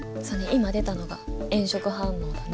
今出たのが炎色反応だね。